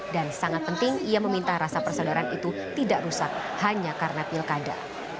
dan sangat penting ia meminta rasa persaudaraan itu tidak rusak hanya karena pilkada